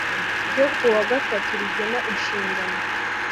ryo kuwa gatanu rigena Inshingano